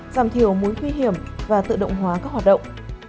giảm thiểu mối khuy hiểm và tự động hóa các hoạt động